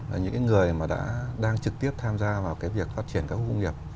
là những người mà đang trực tiếp tham gia vào việc phát triển các công nghiệp